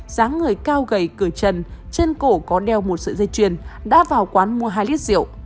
dáng người cao gầy cửa trần trên cổ có đeo một sợi dây chuyền đã vào quán mua hai lít rượu